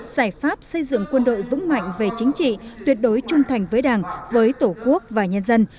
giải pháp xây dựng quân đội vững mạnh về chính trị tuyệt đối trung thành với đảng với tổ quốc và nhân dân